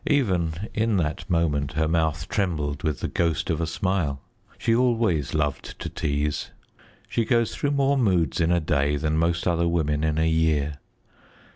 Even in that moment her mouth trembled with the ghost of a smile. She always loved to tease. She goes through more moods in a day than most other women in a year.